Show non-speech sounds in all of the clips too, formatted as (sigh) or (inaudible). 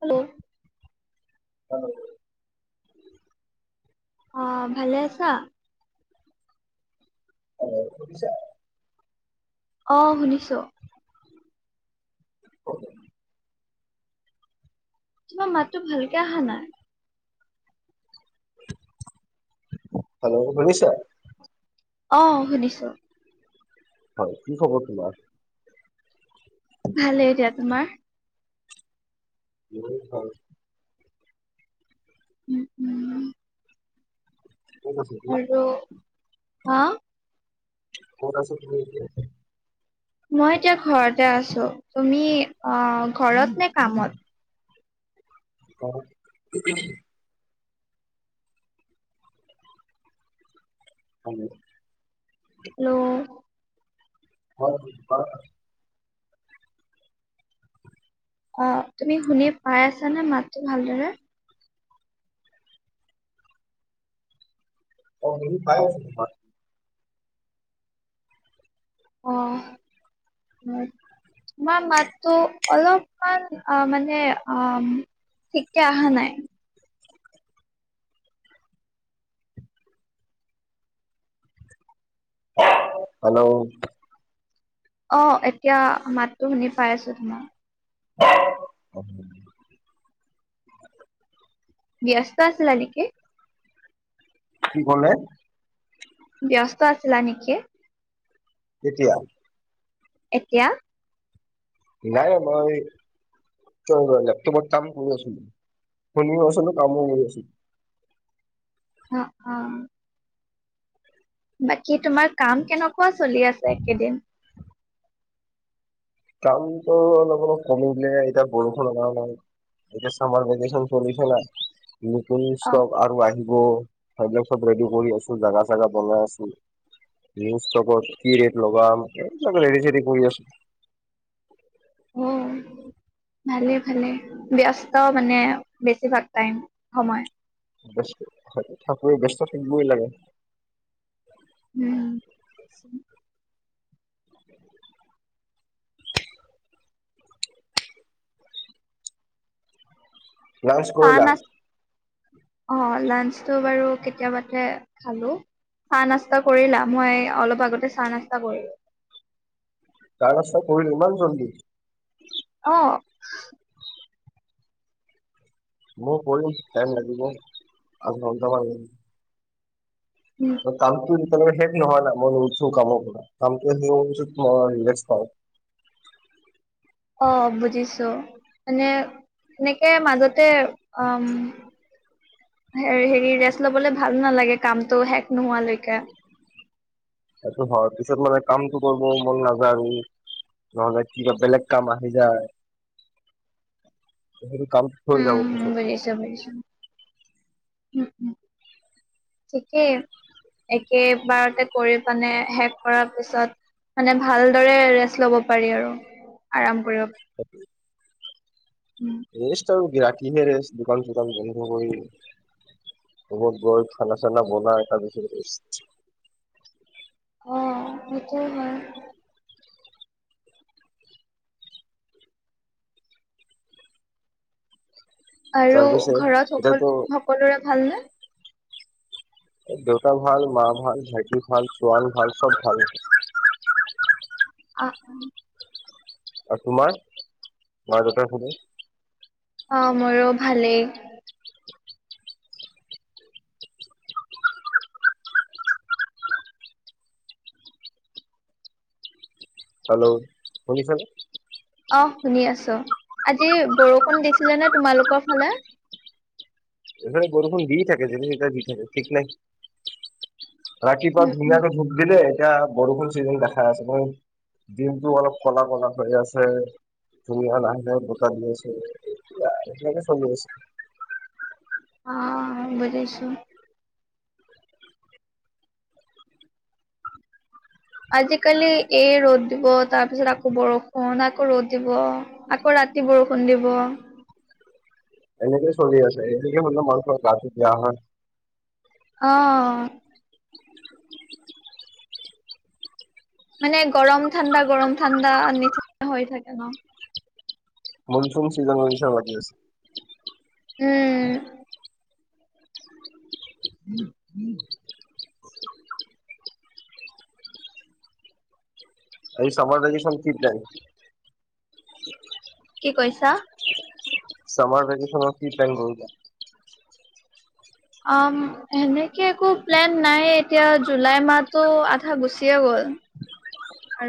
Hello (unintelligible) অ', ভালে আছা? Hello, শুনিছা? অ', শুনিছো। (unintelligible) তোমাৰ মাততো ভালকে অহা নাই। হেল্লো', শুনিছা? অ', শুনিছোঁ। হয়, কি খবৰ তোমাৰ? ভালে দিয়া তোমাৰ (unintelligible) উম, উম। ক'ত আছা তুমি? আৰু হা? ক'ত আছা তুমি এতিয়া? মই এতিয়া ঘৰতে আছো, তুমি অ', ঘৰত নে কামত? (unintelligible) হেল্ল'? হেল্লো'? (unintelligible) অ', তুমি শুনি পাই আছা নে মাতটো ভালদৰে? অ', শুনি পাই আছোঁ মাত। অ'। তোমাৰ মাতো অলপমান অ', মানে অ' ঠিক কে অহা নাই। হেল্লো'? অ', এতিয়া মাততো শুনি পাইছো তোমাৰ। (unintelligible) ব্যস্ত আছিলা নেকি? কি ক'লে? ব্যস্ত আছিলা নেকি? কেতিয়া? এতিয়া? নাই মই এই লেপটপত কাম কৰি আছিলোঁ, শুনিও আছিলোঁ কামো কৰি আছিলোঁ। অ', অ'। বাকী তোমাৰ কাম কেনেকুৱা চলি আছে এইকেদিন? কামটো অলপ অলপ কমিলে, এতিয়া বৰষুণ অনাও নাই। এতিয়া চামাৰ ভেকচন চলিছে না, নতুন অ ষ্টক আৰু আহি ব, সেইবিলাক চব ৰেডি কৰি আছো জাগা-চাগা বনাই আছো। নিউ ষ্টকত কি ৰেট লগাম, এইবিলাক ৰেডি-চেদি কৰি আছো। উম। ভালে ভালে ব্যস্ত মানে বেছিভাগ টাইম সময়। ব্যস্ত হয় থাকোয়ে, ব্যস্ত থাকিবই লাগে। উম। (inaudible) লাঞ্চ (unintelligible) কৰিলা অ', লাঞ্চটো বাৰু কেতিয়াবাতে খালো। চাহ নাস্তা কৰিলা? মই অলপ আগতে চাহ নাস্তা কৰিলোঁ। চাহ নাস্তা কৰিলা ইমান জল্দি? অঁ। মই কৰিম টাইম লাগিব উম। কামটো যেতিয়া লৈকে শেষ নহয় না মই নোঠো কামৰ পৰা কামটো শেষ হোৱাৰ পিছত মই ৰিলান্স পাওঁ। অঁ বুজিছোঁ মানে সেনেকে মাজতে অম। হে হেৰি ৰেষ্ট ল'বলৈ ভাল নালাগে কামটো শেষ নোহোৱালৈকে। সেইটো হয় পিছত মানে কামটো কৰিব মন নাযায় আৰু। নহলে কি কিবা বেলেগ কাম আহি যায় সেইটো কাম হৈ যাব উম পিছত বুজিছোঁ বুজিছোঁ উম উম। ঠিকেই একেবাৰতে কৰি পিনে শেষ কৰাৰ পিছত মানে ভালদৰে ৰেষ্ট ল'ব পাৰি আৰু আৰাম কৰিব পাৰি। (inaudible) উম। ৰেষ্ট আৰু কি ৰাতি হে ৰেষ্ট দোকান চোকান বন্ধ কৰি। ৰোমত গৈ খানা চানা বনাই তাৰ পিছত ৰেষ্ট। অ সেইটোও হয়। আৰু তাৰপিছত ঘৰত এতিয়াতো সকলো সকলোৰে ভালনে? দেউতা ভাল মা ভাল ভাইটি ভাল চোৱান ভাল চব ভাল। অ অ। আৰু তোমাৰ মা দেউতাৰ খবৰ? অ মোৰো ভালেই। হেল্ল' শুনিছা নে? অ শুনি আঊছো আজি বৰষুণ দিছিলে নে তোমালোকৰ ফালে? এইফালে বৰষুণ দি থাকে যেতিয়া তেতিয়া দি থাকে ঠিক নাই। ৰাতিপুৱা উম উম। ধুনীয়াকে ধুপ দিলে এতিয়া বৰষুণ চিজন দেখা আছে। দিনটো অলপ ক'লা ক'লা হয় আছে। ধুমুহা বতাহ দি আছে এতিয়া সেনেকে চলি আছে। অ বুজিছোঁ। আজিকালি এই ৰ'দ দিব তাৰ পিছত আকৌ বৰষুণ আকৌ ৰ'দ দিব। আকৌ ৰাতি বৰষুণ দিব। এনেকে চলি আছে এদিন হে মানুহৰ গাটো বেয়া হয়। অঁ। মানে গৰম ঠাণ্ডা গৰম ঠাণ্ডা নিচ হৈ থাকে ন। মনচুন চিজনৰ অ নিচিনা লাগি আছে। উম। (unintelligible) আজি চামাৰ ভেকশ্যনৰ কি প্লেন? কি কৈছা? চামাৰ ভেকেশচনত কি প্লেন কৰিলা? অ হেনেকে একো প্লেন নাই এতিয়া জুলাই মাহতটো আধা গুচিয়ে গ'ল। (inaudible)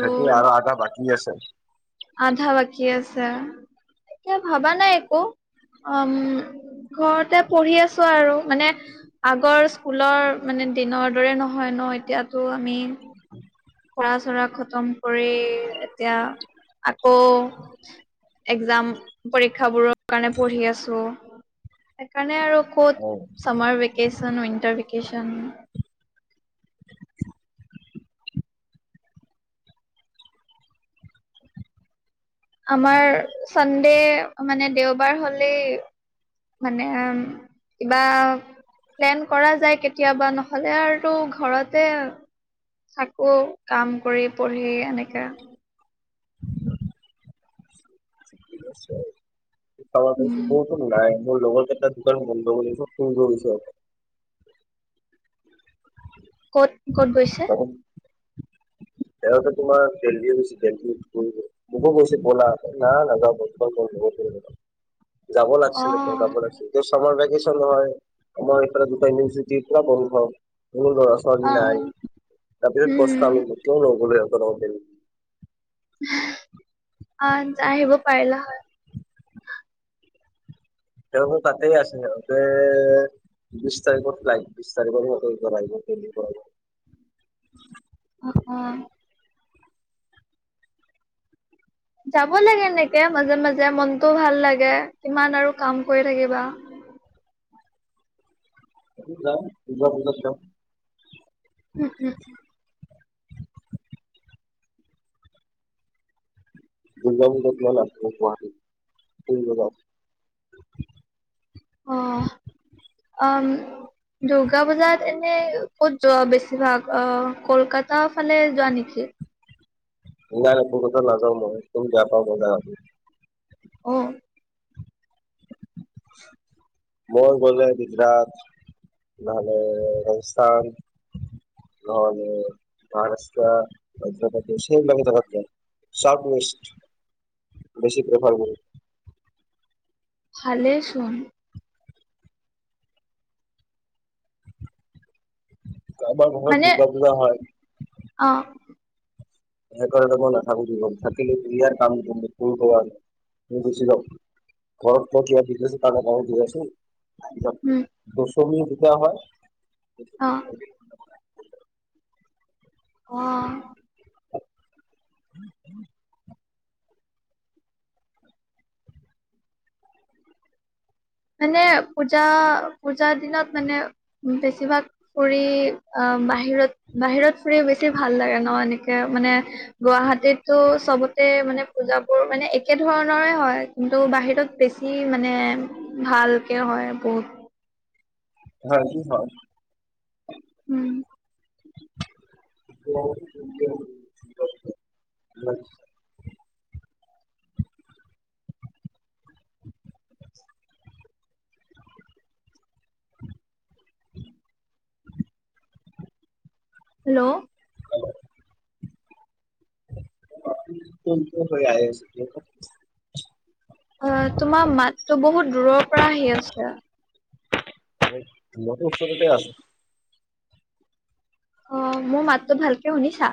খেতি আৰু আধা বাকী আছে। আধা বাকী আছে। এতিয়া ভাবা নাই একো। আম ঘৰতে পঢ়ি আছো আৰু। মানে আগৰ স্কুলৰ মানে দিনৰ দৰে নহয় ন। এতিয়াতো আমি পঢ়া-চঢ়া খতম কৰি এতিয়া আকৌ একজাম পৰীক্ষাবোৰ- কাৰণে পঢ়ি আছো। সেইকাৰণে আৰু ক'ত অ'। Summer vacation, winter vacation. আমাৰ চানডে মানে দেওবাৰ হ'লে মানে কিবা, প্লেন কৰা যায় কেতিয়াবা, নহ'লে আৰু ঘৰতে থাকো। কাম কৰি, পঢ়ি এনেকে। নিশ্চয়। চামাৰ ভেকেচন উম মোৰ (unintelligible) নাই। মোৰ লগৰ কেইটা দোকান বন্ধ কৰি (unintelligible) ফুৰিব গৈছে। ক'ত ক'ত গৈছ-? (inaudible) সিহঁতে তোমাৰ দেল্লী গৈছে দেল্লীত ফুৰিব। মোকো কৈছে, ব'লা। না নাযাওঁ (unintelligible) যাব অ লাগিছিলে, ত যাব লাগিছিল। এতিয়া চামাৰ ভেকেচন হয়। আমাৰ এইফালে দুটা ইউনিভাৰ্ছিটি পুৰা বন্ধ। সৰু ল'ৰা ছো ছোৱালী অ নাই। তাতে উম পস্তালো। কিয় নগলো সিঁহতৰ লগতে (unintelligible) আহিব পাৰিলা হয়। তেওঁলোক তাতে আছে। সিহঁতে বিশ তাৰিখৰ ফ্লাইট। বিশ তাৰিখ (unintelligible) অ অ। যাব লাগে এনেকে মাজে মাজে, মনটো ভাল লাগে। কিমান আৰু কাম কৰি থাকিবা। যাম, দূৰ্গা পূজাত যাম। উম উম। দূৰ্গা পূজাত গ'ল (unintelligible) গুৱাহাটীত। ফুৰিব যাও। আহ, আম দুৰ্গা পূজাত এনে ক'ত যোৱা বেছিভাগ অ কলকাতা ফালে যোৱা নেকি? (unintelligible) কলকাতাত নাজাও মই। (unintelligible) বেয়া পাওঁ (unintelligible) অঁ। (inaudible) মই গ'লে গুজৰাট, নহ'লে ৰাজস্থান। নহ'লে মহাৰাষ্ট্ৰা, ভদ্ৰপতি, (unintelligible) সেই জেগাত যাম। (unintelligible) বেছি প্ৰেফাৰ কৰোঁ। ভালে চোন। কাৰোবাৰ ঘৰত মানে দুূৰ্গা পূজা হয়। অ। (unintelligible) ঘৰত কিবা বিজনেছ কাম কাৰণত গৈ আছো। আহি যাম। উম দশমী কেতিয়া হয়? অ। অ। (inaudible) মানে পূজা পূজা দিনত মানে বেছিভাগ ফুৰি আ বাহিৰত বাহিৰত ফুৰি বেছি ভাল লাগে ন এনেকে মানে গুৱাহাটীতো চবত তে মানে পূজাবোৰ মানে একেধৰণৰে হয় কিন্তু বাহিৰত বেছি মানে ভালকে হয় বহুত হয় কি হয়? উম্ (unintelligible) (inaudible) হেল্ল'! হেল্ল (unintelligible) অ তোমাৰ মাততো বহুত দূৰৰ পৰা আহি আছে। ম‌ইতো ওচৰতে আছো। অ্ মোৰ মাততো ভালকে শুনিছা?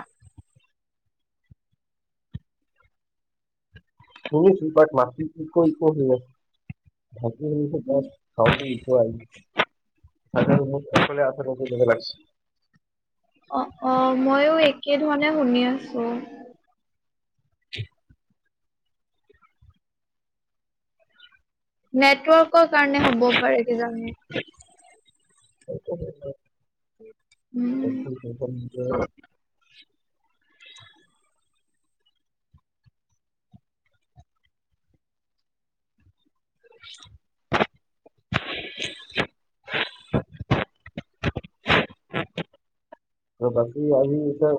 শুনিছোঁ বাট (unintelligible) (unintelligible) (unintelligible) অ অ মইও একে ধৰণে শুনি আছো। (inaudible) নেটৱৰ্কৰ কাৰণে হ'ব পাৰে কিজানি! উম (unintelligible) (inaudible) ত বাকী আজি এতিয়া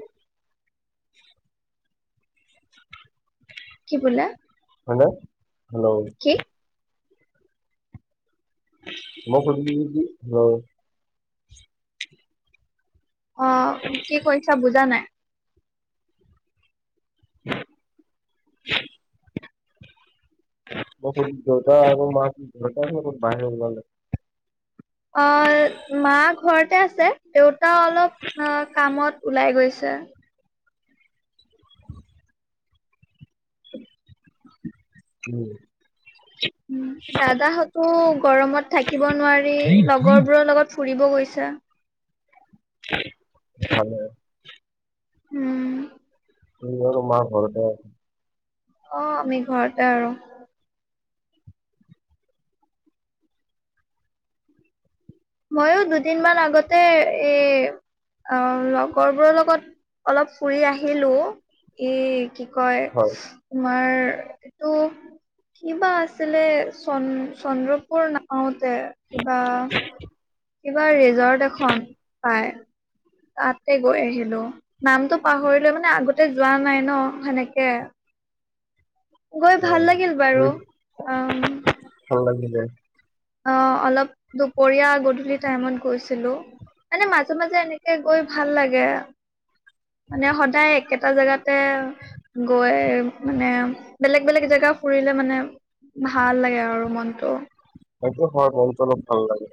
কি বোলা? হয়নে? হেল্ল' মই সুধিছিলো কি- যে অঁ কি কৈছা বুজা নাই? (inaudible) মই সুধিলোঁ দেউতা আৰু মাক, দেউতাহে ক'ত বাহিৰ ওলালে? অ্' মা ঘৰতে আছে, দেউতা অলপ এ্ কামত ওলাই গৈছে। উম। উম, দাদাহতো গৰমত থাকিব নোৱাৰি লগৰবোৰৰ লগত ফুৰিব গৈছে। ভালে। উম্। তুমি আৰু মা ঘৰতে? অ্ আমি ঘৰতে আৰু। মইয়ো দুদিনমান আগতে এই অ লগৰবোৰৰ লগত অলপ ফুৰি আহিলো, ই কি কয় হয় - তোমাৰ এইটো কি-বা আছিলে চন-চন্দ্ৰপুৰ না পাওঁতে কিবা - কিবা ৰিজৰ্ট এখন পায়। তাতে গৈ আহিলো, নামটো পাহৰিলো মানে আগতে যোৱা নাই ন' সেনেকে। গৈ ভাল উম লাগিল বাৰু, অ্ ভাল লাগিলে অ অলপ দুপৰীয়া গধূলি টাইমত গৈছিলো। মানে মাজে মাজে এনেকে গৈ ভাল লাগে। মানে সদায় একেটা জেগাতে গৈ মানে বেলেগ বেলেগ জেগা ফুৰিলে মানে ভাল লাগে আৰু মনটো। সেইটো হয় মনটো অলপ ভাল লাগে,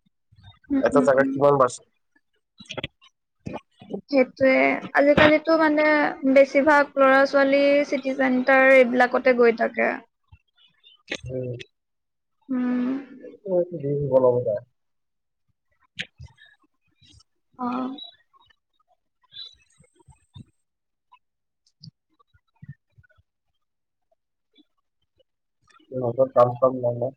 উম এটা উম জাগাত উম। কিমান মাছ সেইটোয়ে আজিকালিতো মানে বেছিভাগ ল'ৰা -ছোৱালীৰ চি তি চেণ্টাৰ এইবিলাকতে গৈ থাকে। অ উম (unintelligible) অ এনকাত কাম চাম নাই যে।